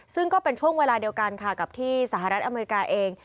ซึ่งก็เป็นช่วงเวลาเดียวกันค่ะกับที่สหรัฐอเมริกาเอง